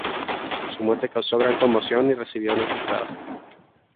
Su muerte causó gran conmoción y recibió honores de estado.